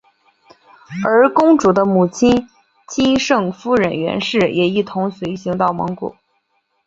而公主的母亲钦圣夫人袁氏也一同随行到蒙古。